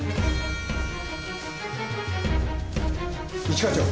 一課長。